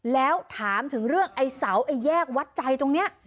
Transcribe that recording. แล้วถามถึงเรื่องไอ้เสาไอ้แยกวัดใจตรงนี้